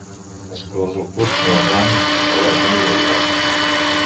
Els colors del club són el blanc, el vermell i el blau.